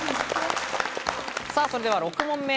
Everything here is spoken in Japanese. それでは６問目。